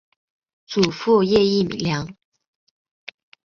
祖父叶益良。